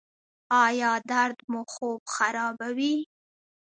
ایا درد مو خوب خرابوي؟